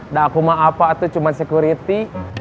daku mah apa itu cuma security